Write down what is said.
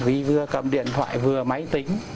vì vừa cầm điện thoại vừa máy tính